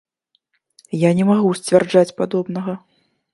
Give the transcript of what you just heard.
Я не магу сцвярджаць падобнага.